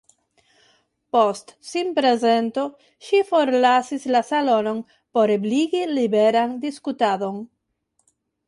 Post sinprezento, ŝi forlasis la salonon por ebligi liberan diskutadon.